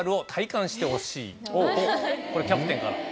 これキャプテンから。